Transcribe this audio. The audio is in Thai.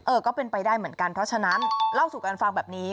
ก็เป็นไปได้เหมือนกันเพราะฉะนั้นเล่าสู่กันฟังแบบนี้